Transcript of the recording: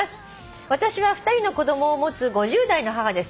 「私は２人の子供を持つ５０代の母です」